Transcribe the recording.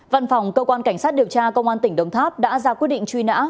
văn phòng cơ quan cảnh sát điều tra công an tỉnh đồng tháp đã ra quyết định chuyên án